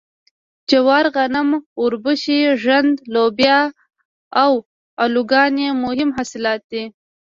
جوار غنم اوربشې ږدن لوبیا او الوګان یې مهم حاصلات دي.